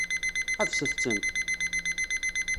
Ḥebset-tent!